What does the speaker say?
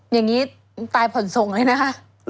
อย่างนี้ตายผ่อนส่งเลยนะคะ